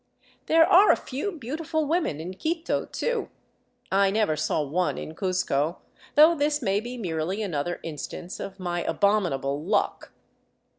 There are a few beautiful women in Quito, too; I never saw one in Cuzco, though this may be merely another instance of my abominable luck.